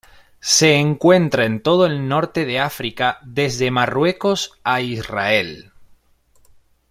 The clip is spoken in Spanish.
Se encuentra en todo el norte de África desde Marruecos a Israel.